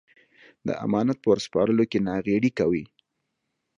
د امانت په ور سپارلو کې ناغېړي کوي.